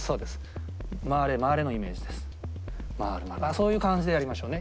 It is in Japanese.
そういう感じでやりましょうね。